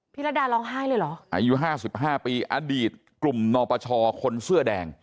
ระดาร้องไห้เลยเหรออายุห้าสิบห้าปีอดีตกลุ่มนปชคนเสื้อแดง